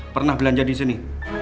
pernah belanja disini